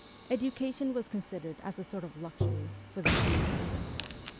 Education was considered as a sort of luxury, for the few only.